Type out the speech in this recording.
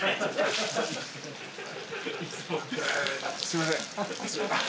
すいません。